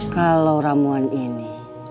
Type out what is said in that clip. kalau ramuan ini